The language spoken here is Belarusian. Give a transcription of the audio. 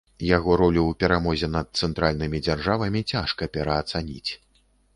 Яго ролю ў перамозе над цэнтральнымі дзяржавамі цяжка пераацаніць.